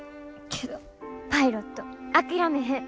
けどパイロット諦めへん。